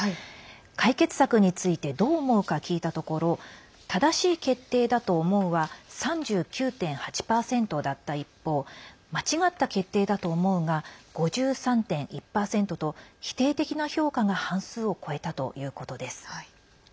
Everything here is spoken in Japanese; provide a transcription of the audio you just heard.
解決策についてどう思うか聞いたところ正しい決定だと思うは３９．８％だった一方間違った決定だと思うが５３．１％と否定的な評価が半数を超えたということです。